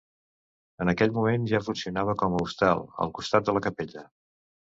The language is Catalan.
En aquell moment ja funcionava com a hostal, al costat de la capella.